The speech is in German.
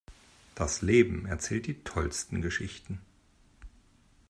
Das Leben erzählt die tollsten Geschichten.